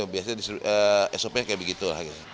biasanya sop kayak begitu